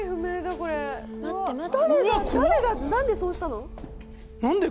これ怖っ誰が何でそうしたの？